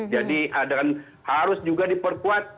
jadi harus juga diperkuat